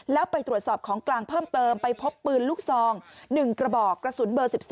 แล้วไปตรวจสอบของกลางเพิ่มเติมไปพบปืนลูกซอง๑กระบอกกระสุนเบอร์๑๒